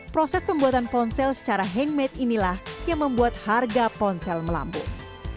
proses pembuatan ponsel secara handmade inilah yang membuat harga ponsel melambung